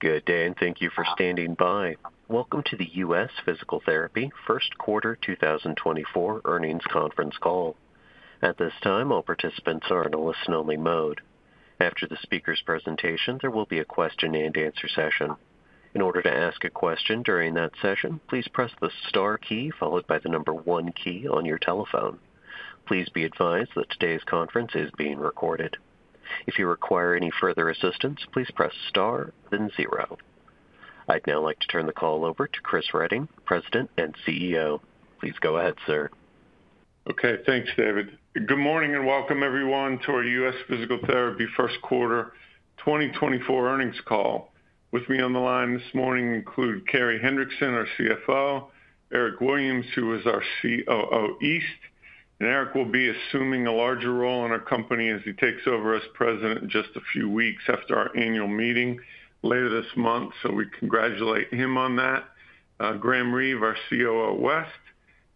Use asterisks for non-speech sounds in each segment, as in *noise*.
Good day, and thank you for standing by. Welcome to the U.S. Physical Therapy first quarter 2024 earnings conference call. At this time, all participants are in a listen-only mode. After the speaker's presentation, there will be a question-and-answer session. In order to ask a question during that session, please press the star key followed by the number one key on your telephone. Please be advised that today's conference is being recorded. If you require any further assistance, please press star, then zero. I'd now like to turn the call over to Chris Reading, President and Chief Executive Officer. Please go ahead, sir. Okay. Thanks, David. Good morning and welcome, everyone, to our U.S. Physical Therapy first quarter 2024 earnings call. With me on the line this morning include Carey Hendrickson, our Chief Financial Officer. Eric Williams, who is our Chief Operating Officer East. And Eric will be assuming a larger role in our company as he takes over as President just a few weeks after our annual meeting later this month, so we congratulate him on that. Graham Reeve, our Chief Operating Officer West.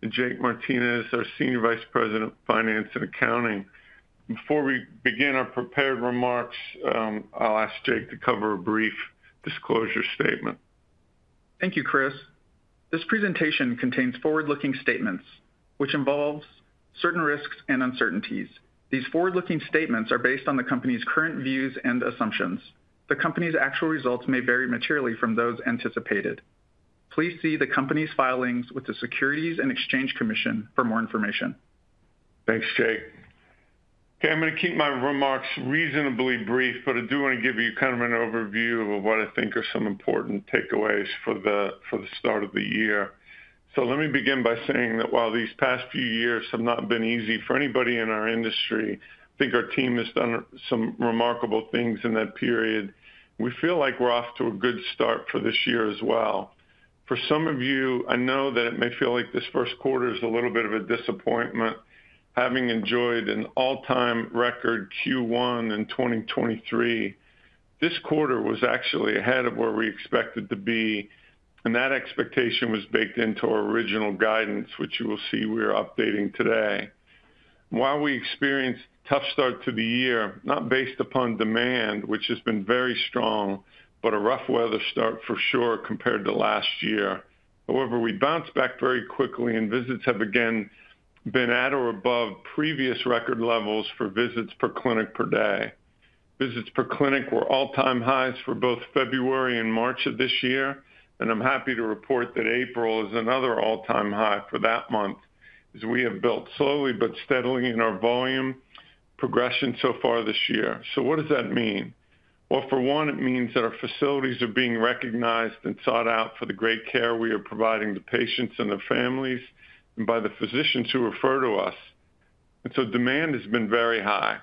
And Jake Martinez, our Senior Vice President, Finance and Accounting. Before we begin our prepared remarks, I'll ask Jake to cover a brief disclosure statement. Thank you, Chris. This presentation contains forward-looking statements, which involve certain risks and uncertainties. These forward-looking statements are based on the company's current views and assumptions. The company's actual results may vary materially from those anticipated. Please see the company's filings with the Securities and Exchange Commission for more information. Thanks, Jake. Okay, I'm going to keep my remarks reasonably brief, but I do want to give you kind of an overview of what I think are some important takeaways for the start of the year. So let me begin by saying that while these past few years have not been easy for anybody in our industry, I think our team has done some remarkable things in that period. We feel like we're off to a good start for this year as well. For some of you, I know that it may feel like this first quarter is a little bit of a disappointment. Having enjoyed an all-time record Q1 in 2023, this quarter was actually ahead of where we expected to be, and that expectation was baked into our original guidance, which you will see we are updating today. While we experienced a tough start to the year, not based upon demand, which has been very strong, but a rough weather start for sure compared to last year. However, we bounced back very quickly, and visits have again been at or above previous record levels for visits per clinic per day. Visits per clinic were all-time highs for both February and March of this year, and I'm happy to report that April is another all-time high for that month, as we have built slowly but steadily in our volume progression so far this year. So what does that mean? Well, for one, it means that our facilities are being recognized and sought out for the great care we are providing the patients and their families and by the physicians who refer to us. And so demand has been very high.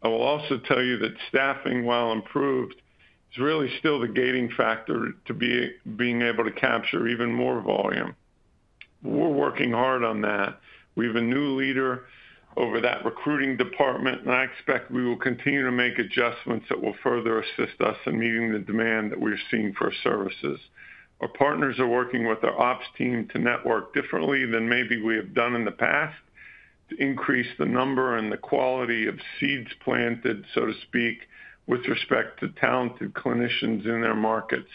I will also tell you that staffing, while improved, is really still the gating factor to be being able to capture even more volume. We're working hard on that. We have a new leader over that recruiting department, and I expect we will continue to make adjustments that will further assist us in meeting the demand that we're seeing for our services. Our partners are working with our ops team to network differently than maybe we have done in the past to increase the number and the quality of seeds planted, so to speak, with respect to talented clinicians in their markets.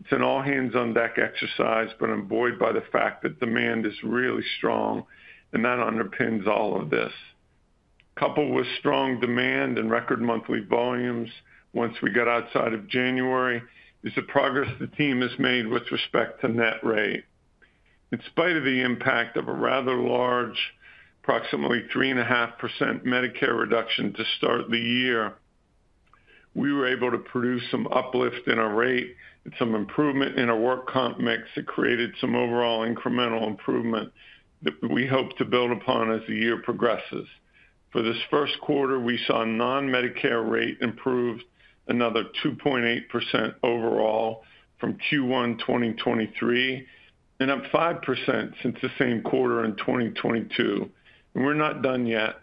It's an all-hands-on-deck exercise, but I'm buoyed by the fact that demand is really strong, and that underpins all of this. Coupled with strong demand and record monthly volumes once we got outside of January, is the progress the team has made with respect to net rate. In spite of the impact of a rather large, approximately 3.5% Medicare reduction to start the year, we were able to produce some uplift in our rate and some improvement in our work comp mix. It created some overall incremental improvement that we hope to build upon as the year progresses. For this first quarter, we saw a non-Medicare rate improved another 2.8% overall from Q1 2023 and up 5% since the same quarter in 2022. We're not done yet.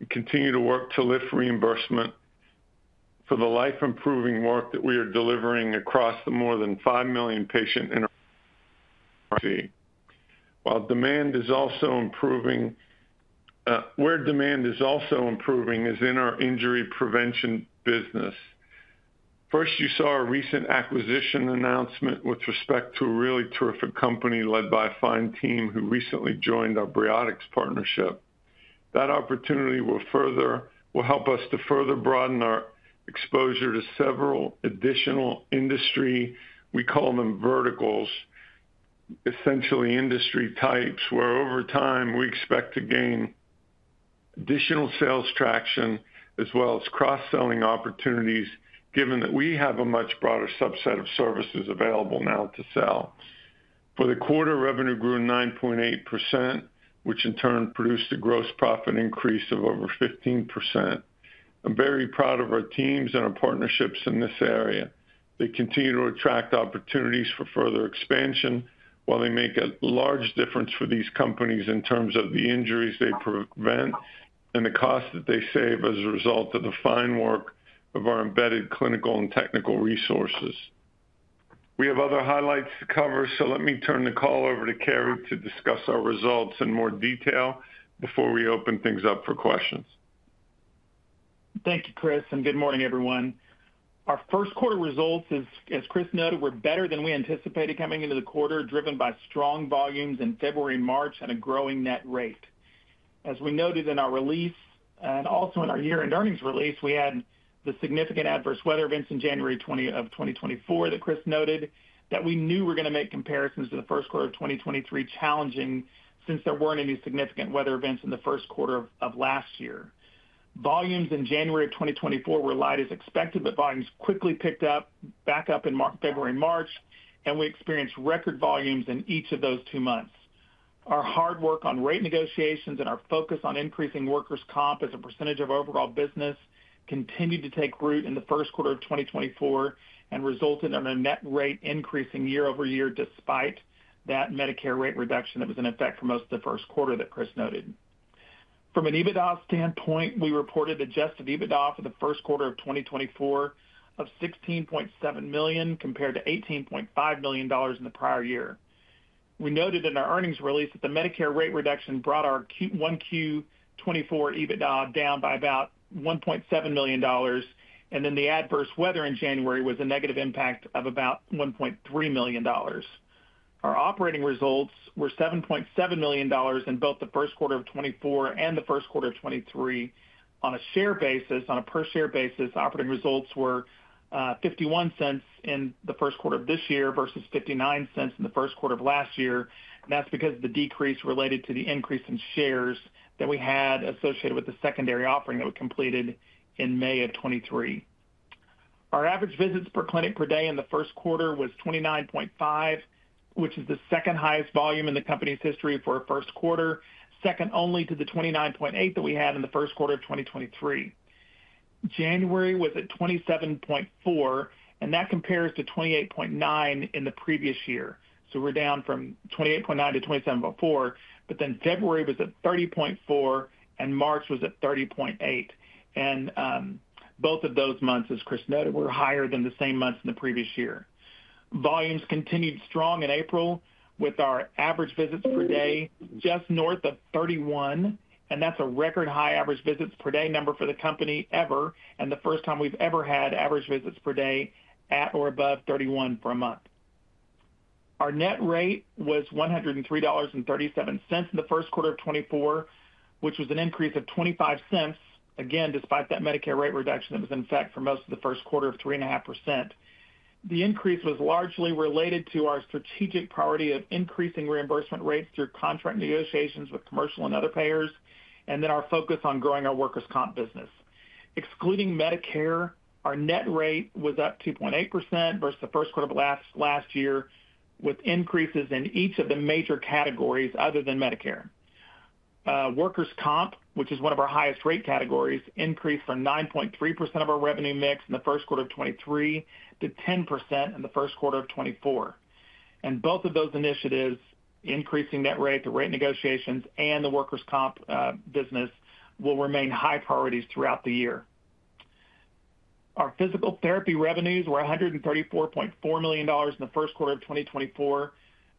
We continue to work to lift reimbursement for the life-improving work that we are delivering across the more than 5 million patients. While demand is also improving, where demand is also improving is in our injury prevention business. First, you saw a recent acquisition announcement with respect to a really terrific company led by a fine team who recently joined our Briotix partnership. That opportunity will help us to further broaden our exposure to several additional industry, we call them verticals, essentially industry types, where over time we expect to gain additional sales traction as well as cross-selling opportunities given that we have a much broader subset of services available now to sell. For the quarter, revenue grew 9.8%, which in turn produced a gross profit increase of over 15%. I'm very proud of our teams and our partnerships in this area. They continue to attract opportunities for further expansion while they make a large difference for these companies in terms of the injuries they prevent and the cost that they save as a result of the fine work of our embedded clinical and technical resources. We have other highlights to cover, so let me turn the call over to Carey to discuss our results in more detail before we open things up for questions. Thank you, Chris, and good morning, everyone. Our first quarter results is, as Chris noted, we're better than we anticipated coming into the quarter, driven by strong volumes in February and March and a growing net rate. As we noted in our release and also in our year-end earnings release, we had the significant adverse weather events in January 2024 that Chris noted, that we knew were going to make comparisons to the first quarter of 2023 challenging since there weren't any significant weather events in the first quarter of last year. Volumes in January of 2024 were light as expected, but volumes quickly picked up back up in February and March, and we experienced record volumes in each of those two months. Our hard work on rate negotiations and our focus on increasing workers' comp as a percentage of overall business continued to take root in the first quarter of 2024 and resulted in a net rate increasing year-over-year despite that Medicare rate reduction that was in effect for most of the first quarter that Chris noted. From an EBITDA standpoint, we reported adjusted EBITDA for the first quarter of 2024 of $16.7 million compared to $18.5 million in the prior year. We noted in our earnings release that the Medicare rate reduction brought our Q1 2024 EBITDA down by about $1.7 million, and then the adverse weather in January was a negative impact of about $1.3 million. Our operating results were $7.7 million in both the first quarter of 2024 and the first quarter of 2023. On a share basis, on a per-share basis, operating results were $0.51 in the first quarter of this year versus $0.59 in the first quarter of last year, and that's because of the decrease related to the increase in shares that we had associated with the secondary offering that we completed in May of 2023. Our average visits per clinic per day in the first quarter was 29.5, which is the second highest volume in the company's history for a first quarter, second only to the 29.8 that we had in the first quarter of 2023. January was at 27.4, and that compares to 28.9 in the previous year, so we're down from 28.9 to 27.4, but then February was at 30.4 and March was at 30.8. Both of those months, as Chris noted, were higher than the same months in the previous year. Volumes continued strong in April with our average visits per day just north of 31, and that's a record high average visits per day number for the company ever and the first time we've ever had average visits per day at or above 31 for a month. Our net rate was $103.37 in the first quarter of 2024, which was an increase of $0.25, again, despite that Medicare rate reduction that was in effect for most of the first quarter of 3.5%. The increase was largely related to our strategic priority of increasing reimbursement rates through contract negotiations with commercial and other payers and then our focus on growing our workers' comp business. Excluding Medicare, our net rate was up 2.8% versus the first quarter of last year with increases in each of the major categories other than Medicare. Workers' Comp, which is one of our highest rate categories, increased from 9.3% of our revenue mix in the first quarter of 2023 to 10% in the first quarter of 2024. And both of those initiatives, increasing net rate, the rate negotiations, and the Workers' Comp business, will remain high priorities throughout the year. Our physical therapy revenues were $134.4 million in the first quarter of 2024,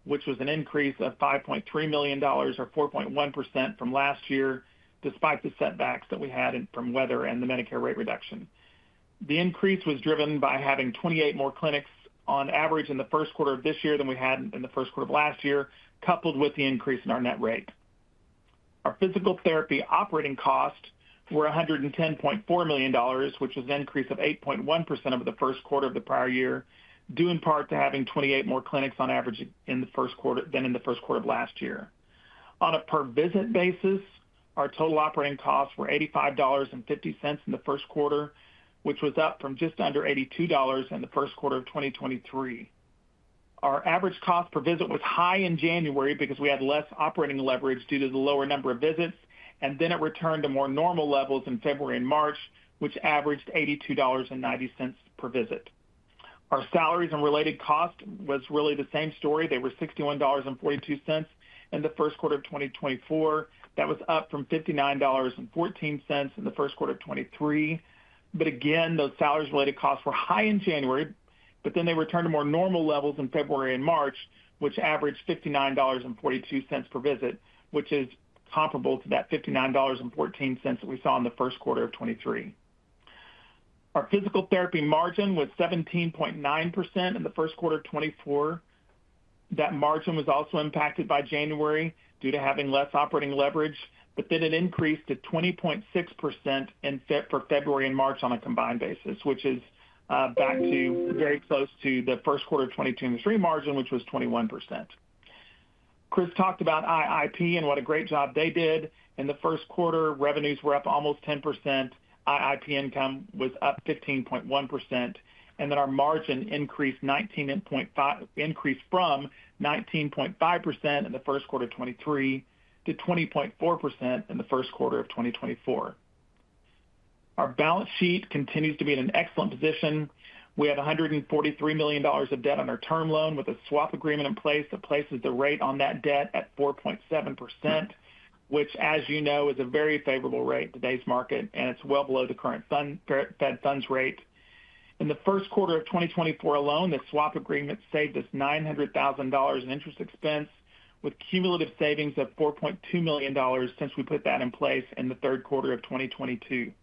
which was an increase of $5.3 million or 4.1% from last year despite the setbacks that we had from weather and the Medicare rate reduction. The increase was driven by having 28 more clinics on average in the first quarter of this year than we had in the first quarter of last year, coupled with the increase in our net rate. Our physical therapy operating costs were $110.4 million, which was an increase of 8.1% over the first quarter of the prior year, due in part to having 28 more clinics on average in the first quarter than in the first quarter of last year. On a per-visit basis, our total operating costs were $85.50 in the first quarter, which was up from just under $82 in the first quarter of 2023. Our average cost per visit was high in January because we had less operating leverage due to the lower number of visits, and then it returned to more normal levels in February and March, which averaged $82.90 per visit. Our salaries and related cost was really the same story. They were $61.42 in the first quarter of 2024. That was up from $59.14 in the first quarter of 2023. But again, those salaries-related costs were high in January, but then they returned to more normal levels in February and March, which averaged $59.42 per visit, which is comparable to that $59.14 that we saw in the first quarter of 2023. Our physical therapy margin was 17.9% in the first quarter of 2024. That margin was also impacted by January due to having less operating leverage, but then it increased to 20.6% in February and March on a combined basis, which is, back to very close to the first quarter of 2022 and 2023 margin, which was 21%. Chris talked about IIP and what a great job they did. In the first quarter, revenues were up almost 10%. IIP income was up 15.1%, and then our margin increased from 19.5% in the first quarter of 2023 to 20.4% in the first quarter of 2024. Our balance sheet continues to be in an excellent position. We have $143 million of debt on our term loan with a swap agreement in place that places the rate on that debt at 4.7%, which, as you know, is a very favorable rate in today's market, and it's well below the current Fed funds rate. In the first quarter of 2024 alone, this swap agreement saved us $900,000 in interest expense with cumulative savings of $4.2 million since we put that in place in the third quarter of 2022.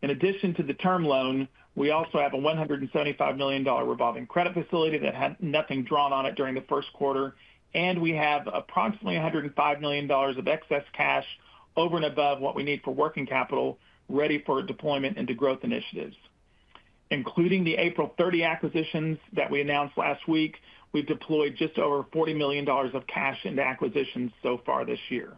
In addition to the term loan, we also have a $175 million revolving credit facility that had nothing drawn on it during the first quarter, and we have approximately $105 million of excess cash over and above what we need for working capital, ready for deployment into growth initiatives. Including the April 30 acquisitions that we announced last week, we've deployed just over $40 million of cash into acquisitions so far this year.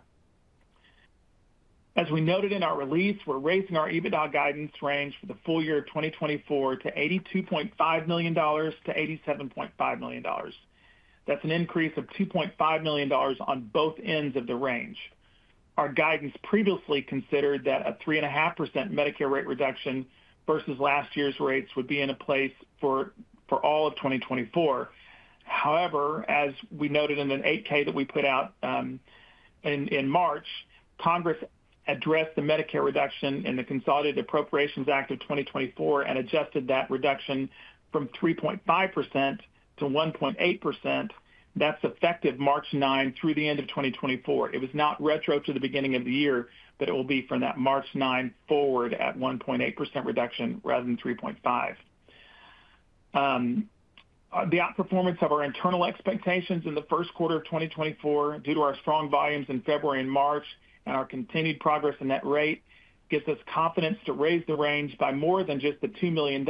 As we noted in our release, we're raising our EBITDA guidance range for the full year of 2024 to $82.5 million-$87.5 million. That's an increase of $2.5 million on both ends of the range. Our guidance previously considered that a 3.5% Medicare rate reduction versus last year's rates would be in place for all of 2024. However, as we noted in an 8-K that we put out in March, Congress addressed the Medicare reduction in the Consolidated Appropriations Act of 2024 and adjusted that reduction from 3.5% to 1.8%. That's effective March 9 through the end of 2024. It was not retro to the beginning of the year, but it will be from that March 9 forward at 1.8% reduction rather than 3.5%. The outperformance of our internal expectations in the first quarter of 2024 due to our strong volumes in February and March and our continued progress in that rate gives us confidence to raise the range by more than just the $2 million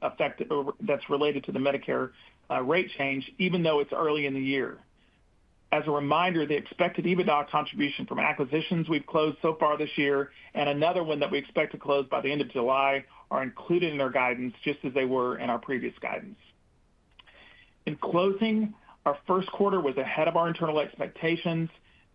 affected over that's related to the Medicare rate change, even though it's early in the year. As a reminder, the expected EBITDA contribution from acquisitions we've closed so far this year and another one that we expect to close by the end of July are included in our guidance just as they were in our previous guidance. In closing, our first quarter was ahead of our internal expectations.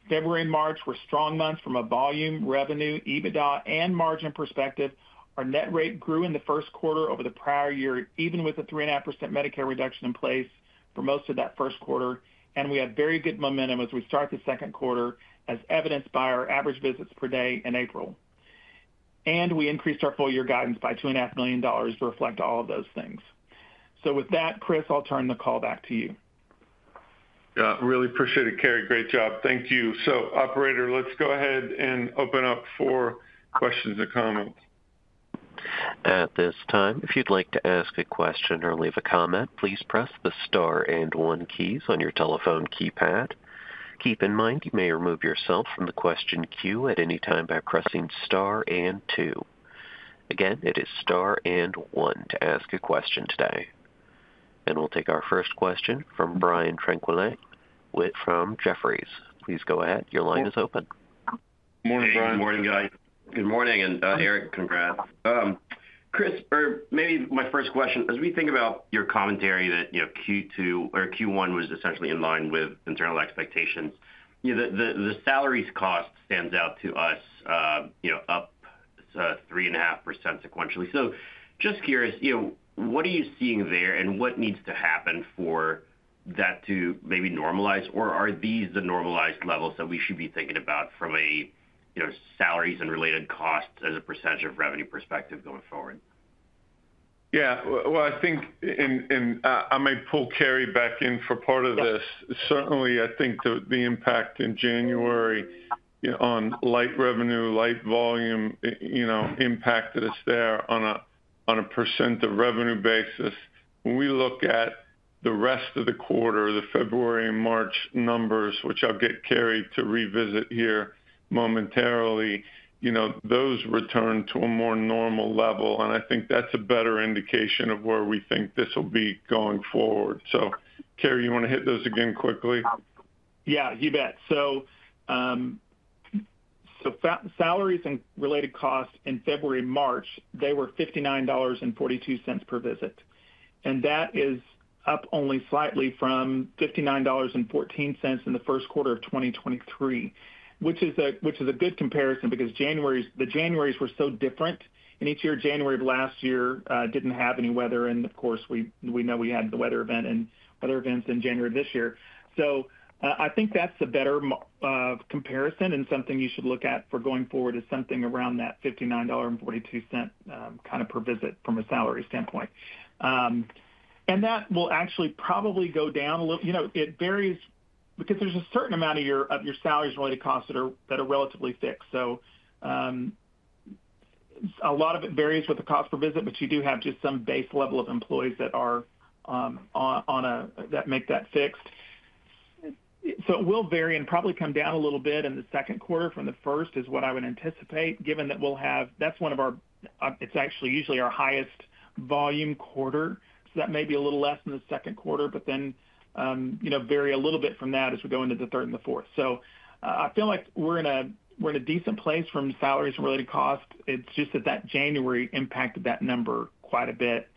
February and March were strong months from a volume, revenue, EBITDA, and margin perspective. Our net rate grew in the first quarter over the prior year, even with a 3.5% Medicare reduction in place for most of that first quarter, and we had very good momentum as we started the second quarter, as evidenced by our average visits per day in April. We increased our full-year guidance by $2.5 million to reflect all of those things. With that, Chris, I'll turn the call back to you. Yeah, really appreciate it, Carey. Great job. Thank you. So, Operator, let's go ahead and open up for questions and comments. At this time, if you'd like to ask a question or leave a comment, please press the star and one keys on your telephone keypad. Keep in mind you may remove yourself from the question queue at any time by pressing star and two. Again, it is star and one to ask a question today. And we'll take our first question from Brian Tanquilut from Jefferies. Please go ahead. Your line is open. Morning, Brian. Hey, morning, guys. Good morning, and Eric, congrats. Chris, or maybe my first question, as we think about your commentary that, you know, Q2 or Q1 was essentially in line with internal expectations, you know, the salaries cost stands out to us, you know, up 3.5% sequentially. So just curious, you know, what are you seeing there, and what needs to happen for that to maybe normalize, or are these the normalized levels that we should be thinking about from a, you know, salaries and related costs as a percentage of revenue perspective going forward? Yeah, well, I think in, I may pull Carey back in for part of this. Certainly, I think the impact in January, you know, on light revenue, light volume, you know, impacted us there on a percent of revenue basis. When we look at the rest of the quarter, the February and March numbers, which I'll get Carey to revisit here momentarily, you know, those returned to a more normal level, and I think that's a better indication of where we think this will be going forward. So, Carey, you want to hit those again quickly? Yeah, you bet. So, so far salaries and related costs in February and March, they were $59.42 per visit, and that is up only slightly from $59.14 in the first quarter of 2023, which is a good comparison because January's, the Januarys were so different. And each year, January of last year didn't have any weather, and of course, we know we had the weather event and weather events in January of this year. So, I think that's a better comparison and something you should look at for going forward is something around that $59.42, kind of per visit from a salary standpoint. And that will actually probably go down a little, you know, it varies because there's a certain amount of your salaries-related costs that are relatively fixed. So, a lot of it varies with the cost per visit, but you do have just some base level of employees that are on a that make that fixed. So it will vary and probably come down a little bit in the second quarter from the first is what I would anticipate, given that we'll have. That's one of our. It's actually usually our highest volume quarter, so that may be a little less in the second quarter, but then, you know, vary a little bit from that as we go into the third and the fourth. So, I feel like we're in a decent place from salaries and related costs. It's just that January impacted that number quite a bit,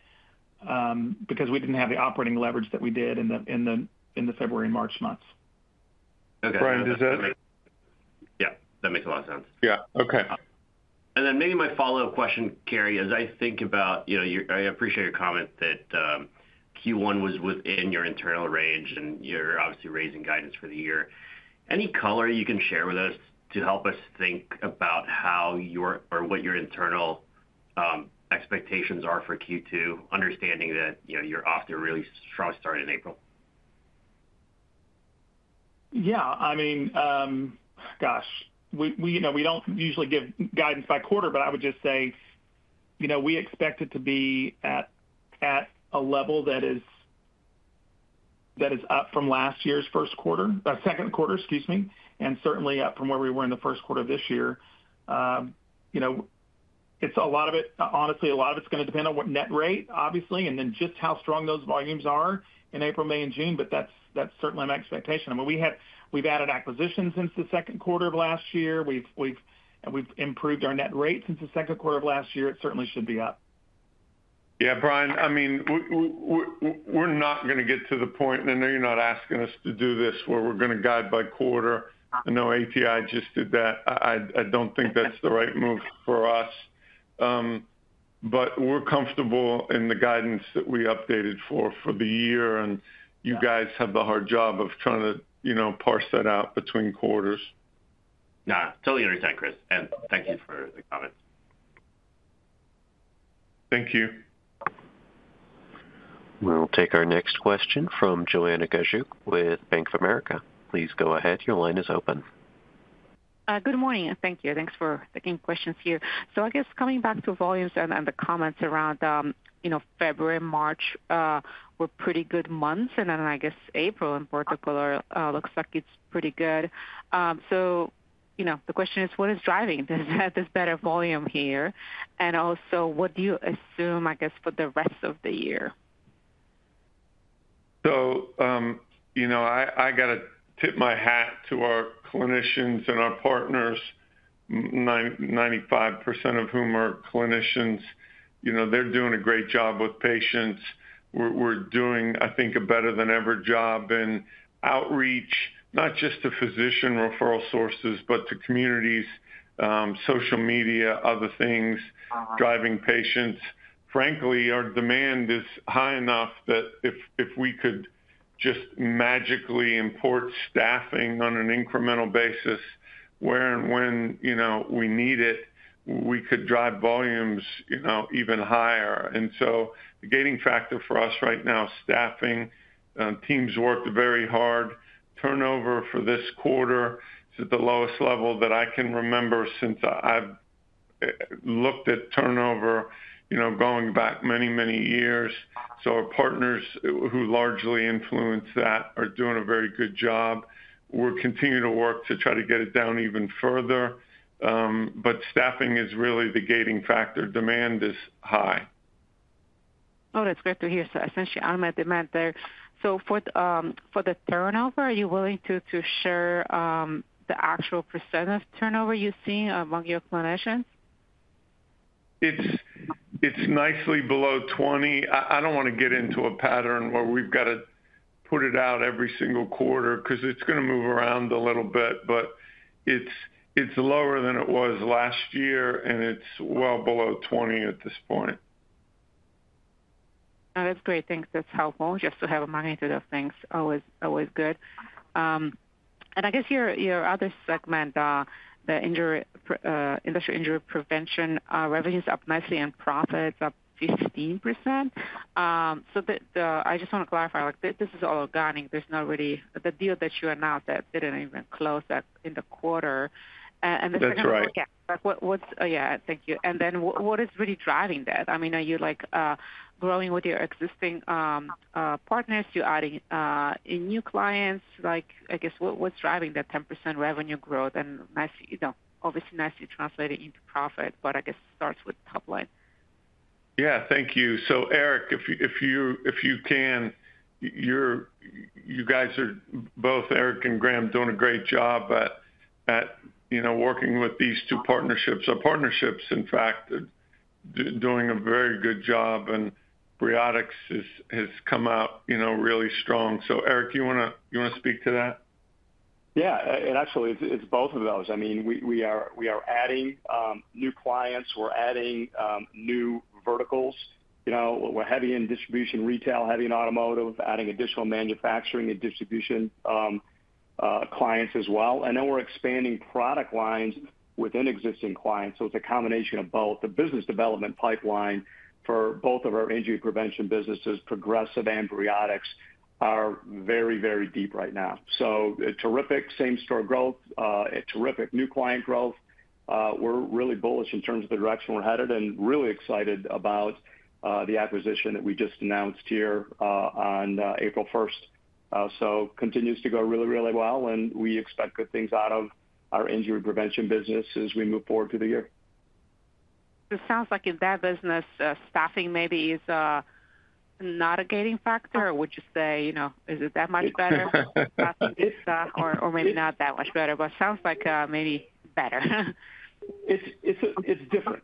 because we didn't have the operating leverage that we did in the February and March months. Okay. Brian, does that. Yeah, that makes a lot of sense. Yeah, okay. And then maybe my follow-up question, Carey, as I think about, you know, I appreciate your comment that Q1 was within your internal range, and you're obviously raising guidance for the year. Any color you can share with us to help us think about how or what your internal expectations are for Q2, understanding that, you know, you're off to a really strong start in April? Yeah, I mean, gosh, we, you know, we don't usually give guidance by quarter, but I would just say, you know, we expect it to be at a level that is up from last year's first quarter second quarter, excuse me, and certainly up from where we were in the first quarter of this year. You know, it's a lot of it honestly, a lot of it's going to depend on what net rate, obviously, and then just how strong those volumes are in April, May, and June, but that's certainly an expectation. I mean, we've added acquisitions since the second quarter of last year. We've and we've improved our net rate since the second quarter of last year. It certainly should be up. Yeah, Brian, I mean, we're not going to get to the point and I know you're not asking us to do this where we're going to guide by quarter. I know ATI just did that. I don't think that's the right move for us. But we're comfortable in the guidance that we updated for the year, and you guys have the hard job of trying to, you know, parse that out between quarters. No, totally understand, Chris, and thank you for the comments. Thank you. We'll take our next question from Joanna Gajuk with Bank of America. Please go ahead. Your line is open. Good morning. Thank you. Thanks for taking questions here. I guess coming back to volumes and the comments around, you know, February, March, were pretty good months, and then, I guess, April in particular, looks like it's pretty good. You know, the question is, what is driving this better volume here? And also, what do you assume, I guess, for the rest of the year? So, you know, I, I got to tip my hat to our clinicians and our partners, 95% of whom are clinicians. You know, they're doing a great job with patients. We're, we're doing, I think, a better than ever job in outreach, not just to physician referral sources, but to communities, social media, other things, driving patients. Frankly, our demand is high enough that if, if we could just magically import staffing on an incremental basis where and when, you know, we need it, we could drive volumes, you know, even higher. And so the gating factor for us right now, staffing, teams worked very hard. Turnover for this quarter is at the lowest level that I can remember since I've looked at turnover, you know, going back many, many years. So our partners who largely influence that are doing a very good job. We're continuing to work to try to get it down even further, but staffing is really the gating factor. Demand is high. Oh, that's great to hear. So essentially, I'm in demand there. So for the turnover, are you willing to share the actual percent of turnover you're seeing among your clinicians? It's nicely below 20. I don't want to get into a pattern where we've got to put it out every single quarter because it's going to move around a little bit, but it's lower than it was last year, and it's well below 20 at this point. Oh, that's great. Thanks. That's helpful. Just to have a magnitude of things, always good. And I guess your other segment, the industrial injury prevention, revenue's up nicely, and profit's up 15%. So, I just want to clarify, like, this is all organic. There's not really the deal that you announced that didn't even close that in the quarter. And the second quarter. That's right. Yeah, like, thank you. And then what is really driving that? I mean, are you, like, growing with your existing partners? You're adding new clients. Like, I guess what's driving that 10% revenue growth and nicely you know, obviously nicely translated into profit, but I guess starts with top line. Yeah, thank you. So, Eric, if you can, you guys are both, Eric and Graham, doing a great job at, you know, working with these two partnerships. Our partnerships, in fact, are doing a very good job, and Briotix has come out, you know, really strong. So, Eric, you want to speak to that? Yeah, it actually is, it's both of those. I mean, we are adding new clients. We're adding new verticals. You know, we're heavy in distribution retail, heavy in automotive, adding additional manufacturing and distribution clients as well. And then we're expanding product lines within existing clients. So it's a combination of both. The business development pipeline for both of our injury prevention businesses, Progressive and Briotix, is very, very deep right now. So terrific same-store growth, terrific new client growth. We're really bullish in terms of the direction we're headed and really excited about the acquisition that we just announced here on April 1st. It continues to go really, really well, and we expect good things out of our injury prevention business as we move forward through the year. So it sounds like in that business, staffing maybe is not a gaining factor, or would you say, you know, is it that much better? It's not. Staffing is maybe not that much better, but it sounds like maybe better. It's different,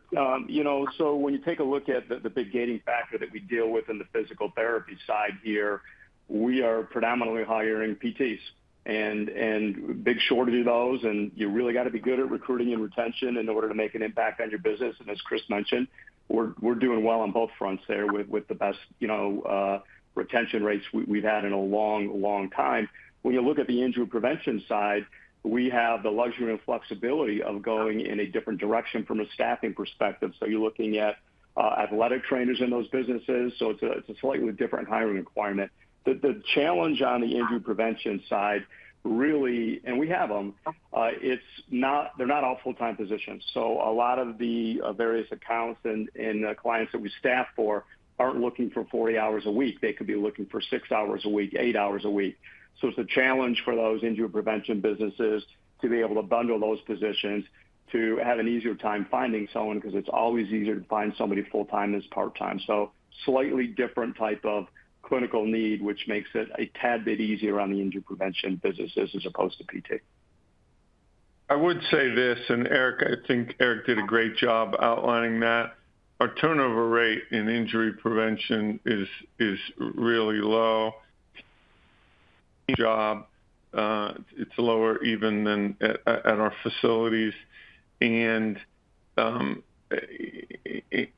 you know, so when you take a look at the big pain factor that we deal with in the physical therapy side here, we are predominantly hiring PTs. And it's a big chore to do those, and you really got to be good at recruiting and retention in order to make an impact on your business. And as Chris mentioned, we're doing well on both fronts there with the best, you know, retention rates we've had in a long, long time. When you look at the injury prevention side, we have the luxury and flexibility of going in a different direction from a staffing perspective. So you're looking at athletic trainers in those businesses, so it's a slightly different hiring requirement. The challenge on the injury prevention side really, and we have them. It's not. They're not all full-time positions. So a lot of the various accounts and clients that we staff for aren't looking for 40 hours a week. They could be looking for six hours a week, eight hours a week. So it's a challenge for those injury prevention businesses to be able to bundle those positions to have an easier time finding someone because it's always easier to find somebody full-time than part-time. So slightly different type of clinical need, which makes it a tad bit easier on the injury prevention businesses as opposed to PT. I would say this, and Eric, I think Eric did a great job outlining that. Our turnover rate in injury prevention is really low. It's lower even than at our facilities.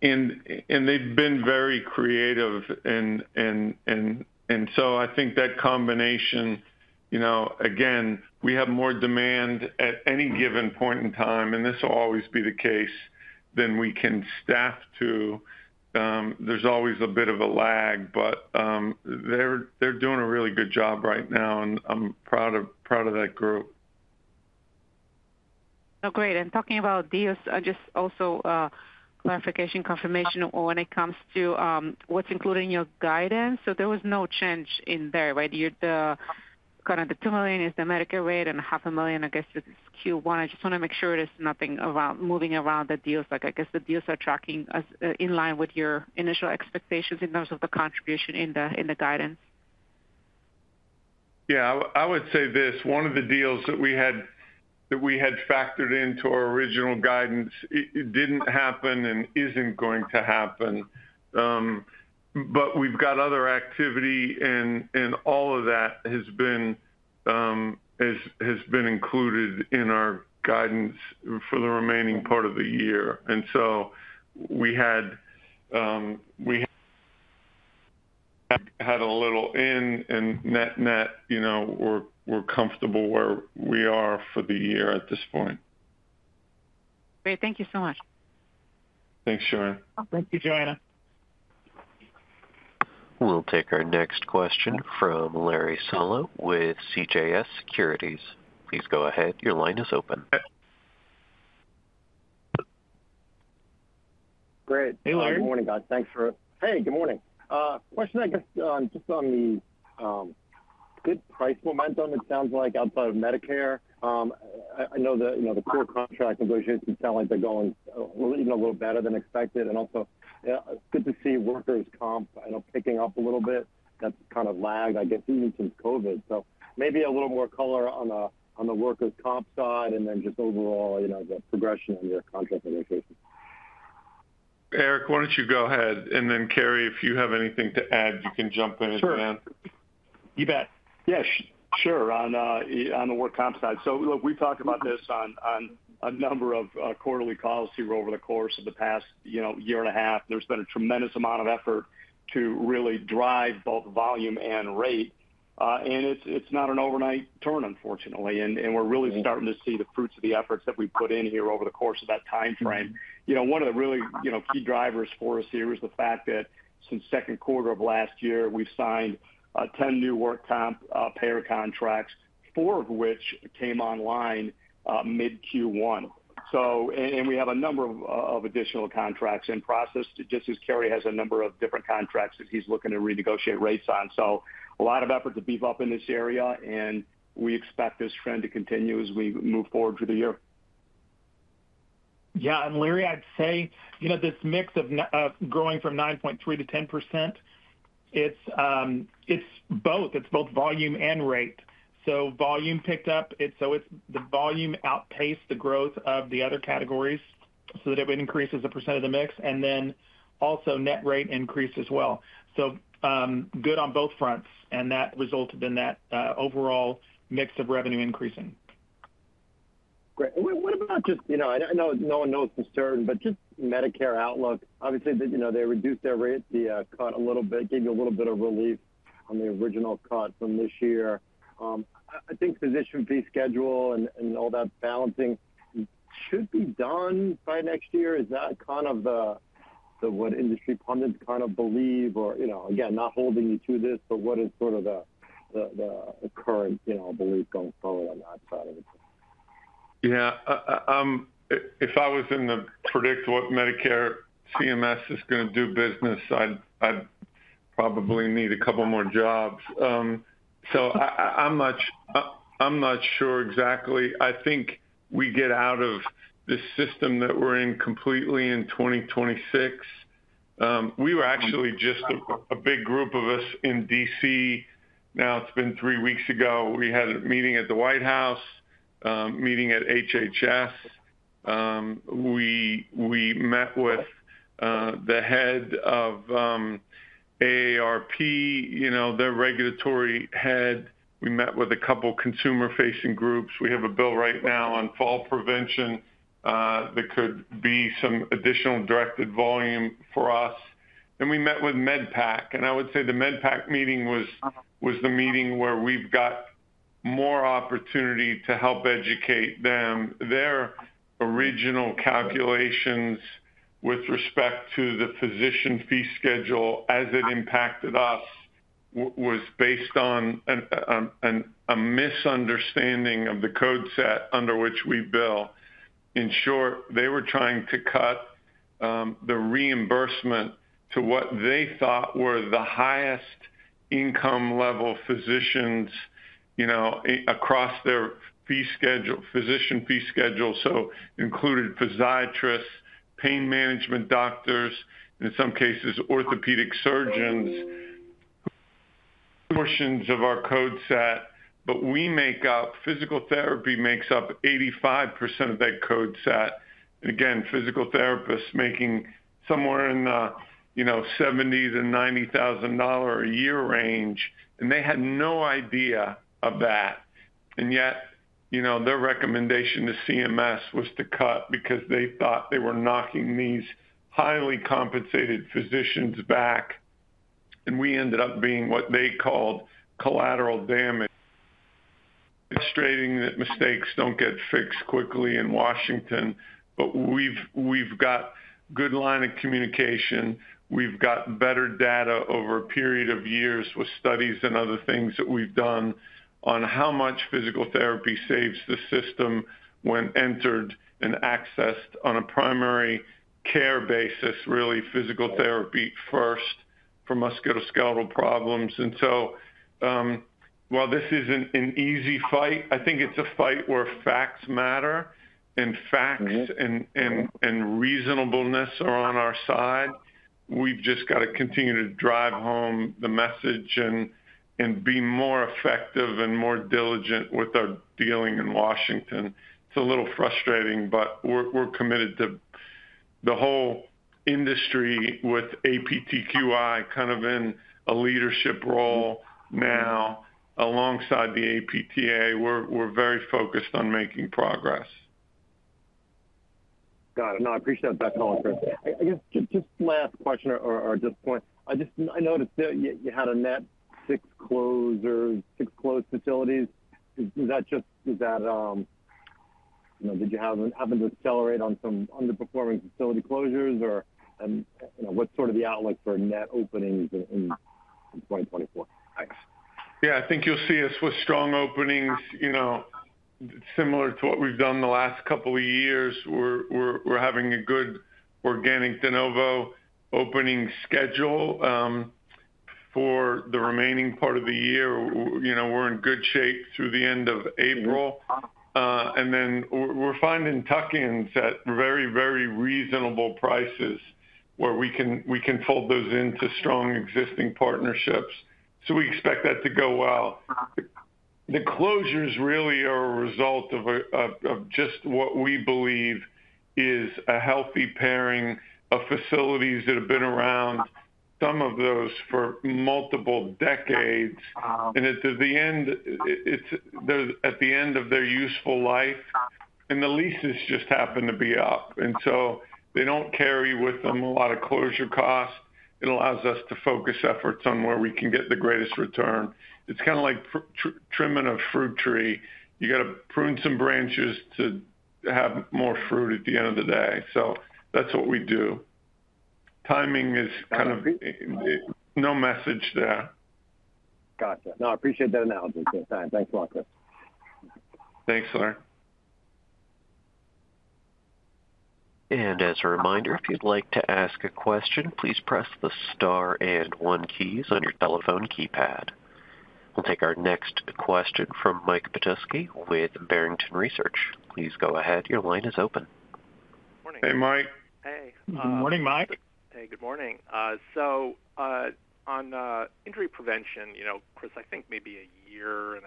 And they've been very creative, and so I think that combination, you know, again, we have more demand at any given point in time, and this will always be the case, than we can staff to. There's always a bit of a lag, but they're doing a really good job right now, and I'm proud of that group. Oh, great. And talking about deals, I just also, clarification, confirmation, when it comes to what's included in your guidance. So there was no change in there, right? You're the kind of the $2 million is the Medicare rate, and $0.5 million, I guess, is Q1. I just want to make sure there's nothing around moving around the deals. Like, I guess the deals are tracking as in line with your initial expectations in terms of the contribution in the in the guidance. Yeah, I would say this. One of the deals that we had factored into our original guidance, it didn't happen and isn't going to happen. But we've got other activity, and all of that has been included in our guidance for the remaining part of the year. And so we had a little in, and net, you know, we're comfortable where we are for the year at this point. Great. Thank you so much. Thanks, Sharon. Thank you, Joanna. We'll take our next question from Larry Solow with CJS Securities. Please go ahead. Your line is open. Great. Hey, Larry. Good morning, guys. Thanks. *crosstalk* Hey, good morning. Question, I guess, on just the good price momentum. It sounds like, outside of Medicare. I know, you know, the core contract negotiations sound like they're going even a little better than expected. And also, yeah, good to see workers' comp, I know, picking up a little bit. That's kind of lagged, I guess, even since COVID. So maybe a little more color on the workers' comp side and then just overall, you know, the progression on your contract negotiations. Eric, why don't you go ahead? And then, Carey, if you have anything to add, you can jump in at the end. Sure. You bet. Yeah, sure on the work comp side. So, look, we've talked about this on a number of quarterly calls here over the course of the past, you know, year and a half. There's been a tremendous amount of effort to really drive both volume and rate. And it's not an overnight turn, unfortunately. And we're really starting to see the fruits of the efforts that we put in here over the course of that timeframe. You know, one of the really, you know, key drivers for us here is the fact that since second quarter of last year, we've signed 10 new work comp payer contracts, four of which came online mid-Q1. So and we have a number of additional contracts in process, just as Carey has a number of different contracts that he's looking to renegotiate rates on. A lot of effort to beef up in this area, and we expect this trend to continue as we move forward through the year. Yeah, and Larry, I'd say, you know, this mix of, of growing from 9.3%-10%, it's, it's both. It's both volume and rate. So volume picked up. It's so it's the volume outpaced the growth of the other categories so that it increases a percent of the mix, and then also net rate increased as well. So, good on both fronts, and that resulted in that, overall mix of revenue increasing. Great. What, what about just, you know, I know no one knows for certain, but just Medicare outlook. Obviously, they, you know, they reduced their rate, the, cut a little bit, gave you a little bit of relief on the original cut from this year. I, I think Physician Fee Schedule and, and all that balancing should be done by next year. Is that kind of the, the what industry pundits kind of believe or, you know, again, not holding you to this, but what is sort of the, the, the current, you know, belief going forward on that side of it? Yeah. If I was to predict what Medicare CMS is going to do business, I'd probably need a couple more jobs. So I'm not sure exactly. I think we get out of this system that we're in completely in 2026. We were actually just a big group of us in D.C. Now, it's been three weeks ago. We had a meeting at the White House, meeting at HHS. We met with the head of AARP, you know, their regulatory head. We met with a couple consumer-facing groups. We have a bill right now on fall prevention, that could be some additional directed volume for us. And we met with MedPAC. And I would say the MedPAC meeting was the meeting where we've got more opportunity to help educate them. Their original calculations with respect to the Physician Fee Schedule as it impacted us was based on a misunderstanding of the code set under which we bill. In short, they were trying to cut the reimbursement to what they thought were the highest income level physicians, you know, across their fee schedule Physician Fee Schedule, so included physiatrists, pain management doctors, and in some cases, orthopedic surgeons, portions of our code set. But we make up physical therapy makes up 85% of that code set. And again, physical therapists making somewhere in the, you know, $70,000-$90,000 a year range, and they had no idea of that. And yet, you know, their recommendation to CMS was to cut because they thought they were knocking these highly compensated physicians back, and we ended up being what they called collateral damage. Frustrating that mistakes don't get fixed quickly in Washington, but we've got good line of communication. We've got better data over a period of years with studies and other things that we've done on how much physical therapy saves the system when entered and accessed on a primary care basis, really physical therapy first for musculoskeletal problems. And so, while this isn't an easy fight, I think it's a fight where facts matter, and facts and reasonableness are on our side. We've just got to continue to drive home the message and be more effective and more diligent with our dealing in Washington. It's a little frustrating, but we're committed to the whole industry with APTQI kind of in a leadership role now alongside the APTA. We're very focused on making progress. Got it. No, I appreciate that call, Chris. I guess just last question or at this point, I just noticed that you had a net six closures, six closed facilities. Is that just, is that, you know, did you happen to accelerate on some underperforming facility closures, or, you know, what's sort of the outlook for net openings in 2024? Yeah, I think you'll see us with strong openings, you know, similar to what we've done the last couple of years. We're having a good organic de novo opening schedule for the remaining part of the year. You know, we're in good shape through the end of April, and then we're finding tuck-ins at very, very reasonable prices where we can fold those into strong existing partnerships. So we expect that to go well. The closures really are a result of just what we believe is a healthy pairing of facilities that have been around—some of those for multiple decades. And at the end, it's they're at the end of their useful life, and the leases just happen to be up. And so they don't carry with them a lot of closure costs. It allows us to focus efforts on where we can get the greatest return. It's kind of like trimming a fruit tree. You got to prune some branches to have more fruit at the end of the day. So that's what we do. Timing is kind of no message there. Gotcha. No, I appreciate that analogy for the time. Thanks a lot, Chris. Thanks, Larry. As a reminder, if you'd like to ask a question, please press the star and one keys on your telephone keypad. We'll take our next question from Mike Petusky with Barrington Research. Please go ahead. Your line is open. Hey, Mike. Hey. Good morning, Mike. Hey, good morning. So, on injury prevention, you know, Chris, I think maybe 1.5 years,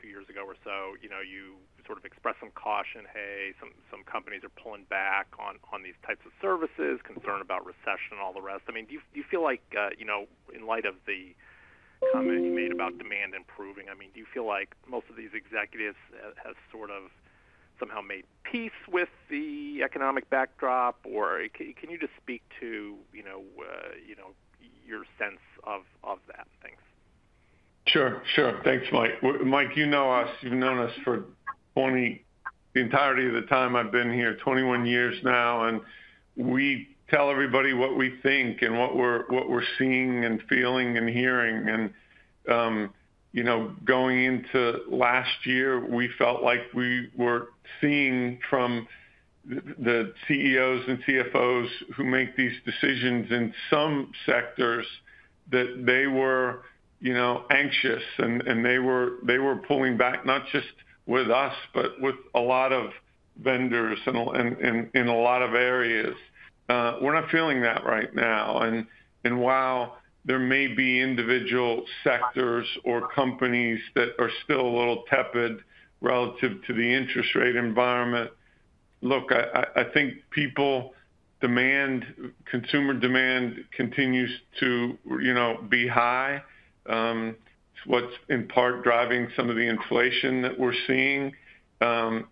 two years ago or so, you know, you sort of expressed some caution, "Hey, some companies are pulling back on these types of services, concern about recession, all the rest." I mean, do you feel like, you know, in light of the comment you made about demand improving, I mean, do you feel like most of these executives have sort of somehow made peace with the economic backdrop, or can you just speak to, you know, your sense of that? Thanks. Sure, sure. Thanks, Mike. Mike, you know us. You've known us for 20, the entirety of the time I've been here, 21 years now, and we tell everybody what we think and what we're seeing and feeling and hearing. And, you know, going into last year, we felt like we were seeing from the CEOs and CFOs who make these decisions in some sectors that they were, you know, anxious, and they were pulling back, not just with us, but with a lot of vendors and in a lot of areas. We're not feeling that right now. And while there may be individual sectors or companies that are still a little tepid relative to the interest rate environment, look, I think consumer demand continues to, you know, be high. It's what's in part driving some of the inflation that we're seeing.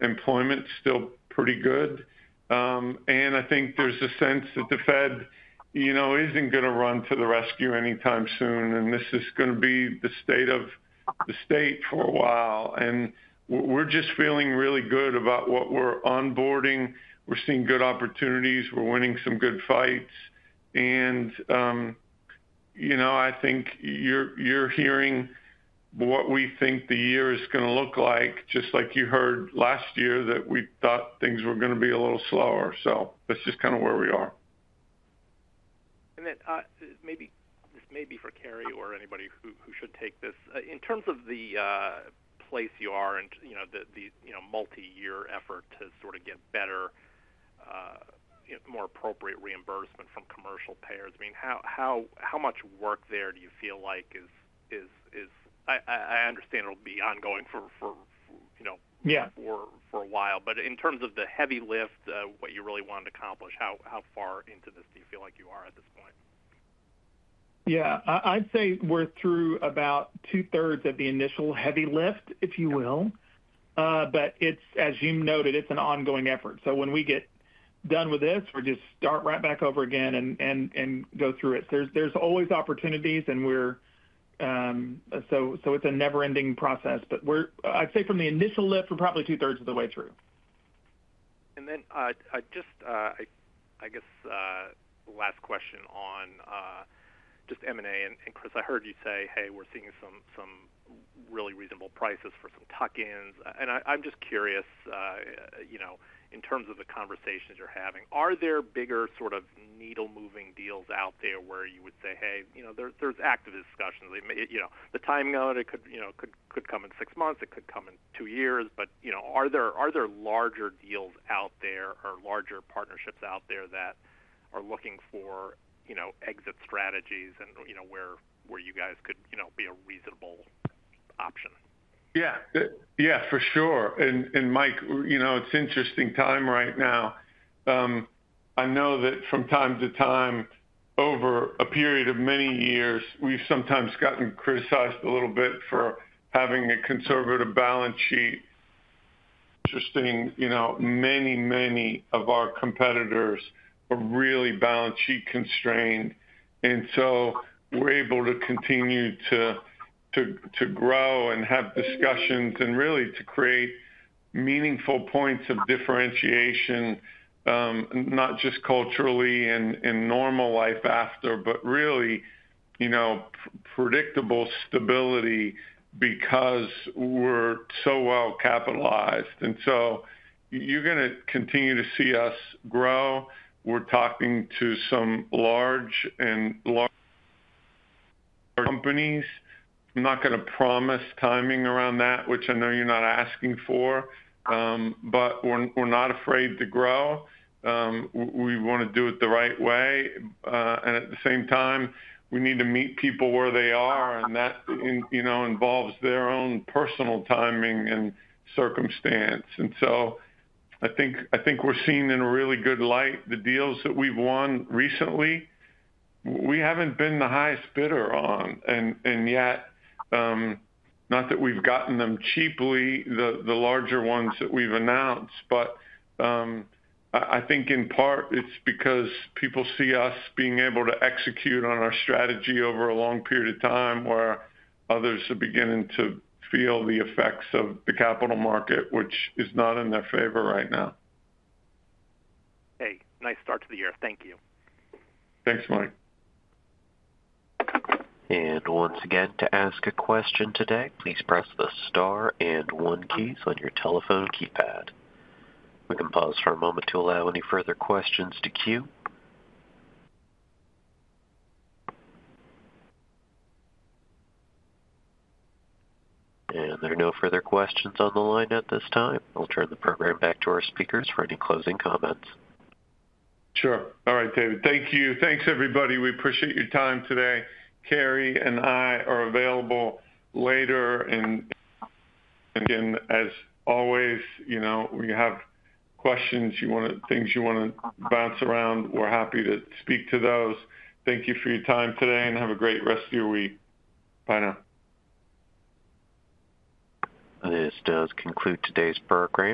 Employment's still pretty good. And I think there's a sense that the Fed, you know, isn't going to run to the rescue anytime soon, and this is going to be the state of the state for a while. And we're just feeling really good about what we're onboarding. We're seeing good opportunities. We're winning some good fights. And, you know, I think you're, you're hearing what we think the year is going to look like, just like you heard last year that we thought things were going to be a little slower. So that's just kind of where we are. And then, maybe this may be for Carey or anybody who should take this. In terms of the place you are and, you know, the multi-year effort to sort of get better, you know, more appropriate reimbursement from commercial payers, I mean, how much work there do you feel like is? I understand it'll be ongoing for, you know. Yeah. For a while. But in terms of the heavy lift, what you really want to accomplish, how far into this do you feel like you are at this point? Yeah. I'd say we're through about two-thirds of the initial heavy lift, if you will. But it's as you noted, it's an ongoing effort. So when we get done with this, we're just start right back over again and go through it. There's always opportunities, and we're, so it's a never-ending process. But I'd say from the initial lift, we're probably two-thirds of the way through. And then, I just guess, last question on just M&A. And Chris, I heard you say, "Hey, we're seeing some really reasonable prices for some tuck-ins." And I'm just curious, you know, in terms of the conversations you're having, are there bigger sort of needle-moving deals out there where you would say, "Hey, you know, there's active discussions." You know, the time note, it could, you know, could come in six months. It could come in two years. But, you know, are there larger deals out there or larger partnerships out there that are looking for, you know, exit strategies and, you know, where you guys could, you know, be a reasonable option? Yeah. Yeah, for sure. And Mike, you know, it's an interesting time right now. I know that from time to time, over a period of many years, we've sometimes gotten criticized a little bit for having a conservative balance sheet. Interesting. You know, many, many of our competitors are really balance sheet constrained. And so we're able to continue to grow and have discussions and really to create meaningful points of differentiation, not just culturally and normal life after, but really, you know, predictable stability because we're so well capitalized. And so you're going to continue to see us grow. We're talking to some large and large companies. I'm not going to promise timing around that, which I know you're not asking for. But we're not afraid to grow. We want to do it the right way. And at the same time, we need to meet people where they are, and that, you know, involves their own personal timing and circumstance. And so I think we're seeing in a really good light the deals that we've won recently. We haven't been the highest bidder on. And yet, not that we've gotten them cheaply, the larger ones that we've announced, but I think in part, it's because people see us being able to execute on our strategy over a long period of time where others are beginning to feel the effects of the capital market, which is not in their favor right now. Hey, nice start to the year. Thank you. Thanks, Mike. Once again, to ask a question today, please press the star and one keys on your telephone keypad. We can pause for a moment to allow any further questions to queue. There are no further questions on the line at this time. I'll turn the program back to our speakers for any closing comments. Sure. All right, David. Thank you. Thanks, everybody. We appreciate your time today. Carey and I are available later if, again, as always. You know, when you have questions or things you want to bounce around, we're happy to speak to those. Thank you for your time today, and have a great rest of your week. Bye now. This does conclude today's program.